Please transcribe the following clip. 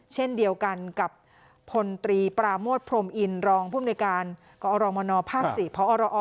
เช่นเดียวกันกับพลตรีปราหมวดพรมอินรองภูมิในการ